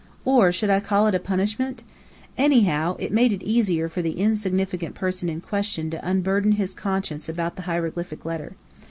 Or should I call it a punishment? Anyhow, it made it easier for the insignificant person in question to unburden his conscience about the hieroglyphic letter.